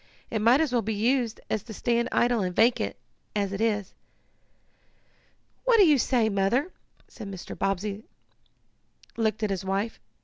It might as well be used as to stand idle and vacant, as it is." "What do you say, Mother?" and Mr. Bobbsey looked at his wife.